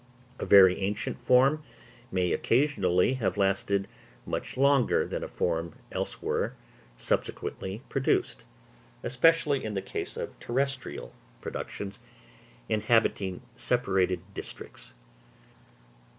A very ancient form may occasionally have lasted much longer than a form elsewhere subsequently produced, especially in the case of terrestrial productions inhabiting separated districts.